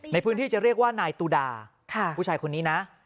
ในพื้นที่จะเรียกว่านายตูดาผู้ชายคนนี้นะ